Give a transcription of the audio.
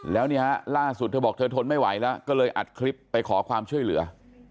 แล้วเนี่ยฮะล่าสุดเธอบอกเธอทนไม่ไหวแล้วก็เลยอัดคลิปไปขอความช่วยเหลือ